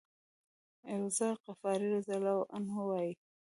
أبوذر غفاري رضی الله عنه وایي.